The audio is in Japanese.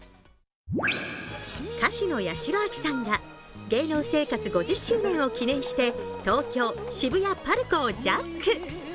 歌手の八代亜紀さんが芸能生活５０周年を記念して東京・渋谷ＰＡＲＣＯをジャック。